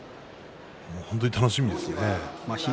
本当に楽しみですね。